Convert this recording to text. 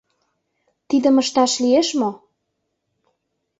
— Тидым ышташ лиеш мо?